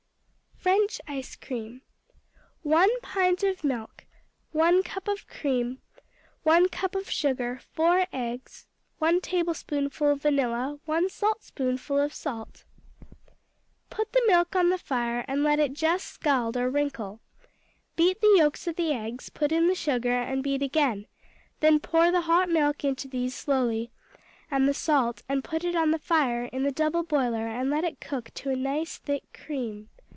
French Ice cream 1 pint of milk. 1 cup of cream. 1 cup of sugar. 4 eggs. 1 tablespoonful vanilla. 1 saltspoonful of salt. Put the milk on the fire and let it just scald or wrinkle. Beat the yolks of the eggs, put in the sugar, and beat again; then pour the hot milk into these slowly, and the salt, and put it on the fire in the double boiler and let it cook to a nice thick cream.